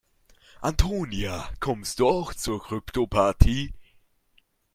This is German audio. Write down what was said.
Antonia, kommst du auch zur Kryptoparty?